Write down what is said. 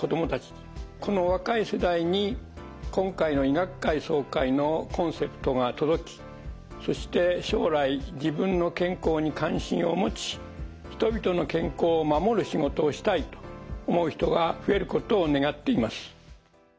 この若い世代に今回の医学会総会のコンセプトが届きそして将来自分の健康に関心を持ち人々の健康を守る仕事をしたいと思う人が増えることを願っています。